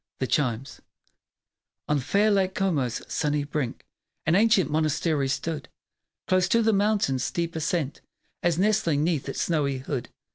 THE CHIMES On fair Lake Como's sunny brink, An ancient monastery stood Close to the mountain's steep ascent, As nestling 'neath its snowy hood.